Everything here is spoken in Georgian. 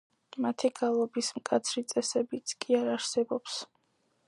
მათი გალობის მკაცრი წესებიც კი არ არსებობს.